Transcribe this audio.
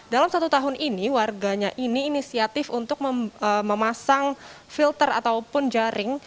dalam satu tahun ini warganya ini inisiatif untuk memasang filter ataupun jaring